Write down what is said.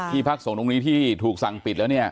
ที่พักสงฆ์ตรงนี้ที่ถูกสั่งปิดแล้ว